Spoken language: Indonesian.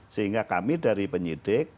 sehingga kami dari penyidik